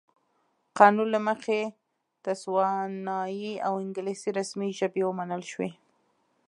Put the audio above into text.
قانون له مخې تسوانایي او انګلیسي رسمي ژبې ومنل شوې.